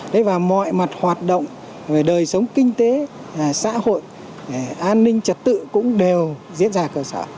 đấy và mọi mặt hoạt động về đời sống kinh tế xã hội an ninh trật tự cũng đều diễn ra cơ sở